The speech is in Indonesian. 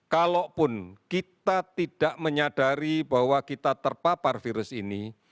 kalaupun kita tidak menyadari bahwa kita terpapar virus ini